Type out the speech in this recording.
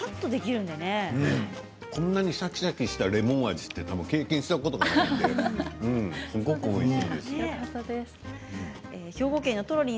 こんなにシャキシャキしたレモン味って経験したことがないので、すごくおいしい。